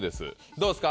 どうですか？